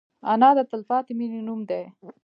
انا د تلپاتې مینې نوم دی